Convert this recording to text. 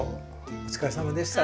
お疲れさまでした。